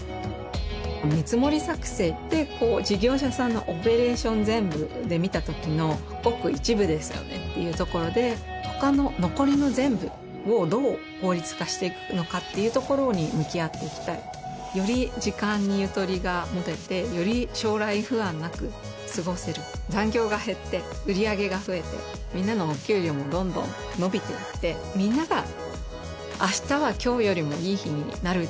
見積もり作成って事業者さんのオペレーション全部で見たときのごく一部ですよねっていうところで他の残りの全部をどう効率化していくのかっていうところに向き合っていきたいより時間にゆとりが持ててより将来不安なく過ごせる残業が減って売り上げが増えてみんなのお給料もどんどん伸びていってみんながその思いが僕達の未来をつくる